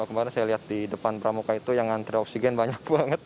kemarin saya lihat di depan pramuka itu yang antri oksigen banyak banget